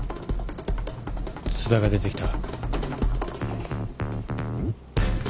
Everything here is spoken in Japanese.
津田が出てきた。